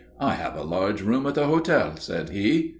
"I have a large room at the hotel," said he.